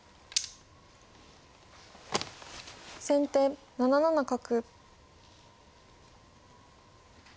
先手７七角。